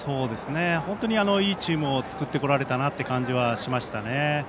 本当にいいチームを作ってこられたなという感じはしましたね。